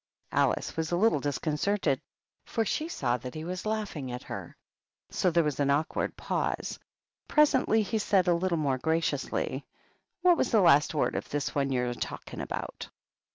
Alice was a little disconcerted, for she saw that he was laughing at her ; so there was an awkward pause. Presently he said, a little more graciously, "What was the last word of this one you're a talking about?"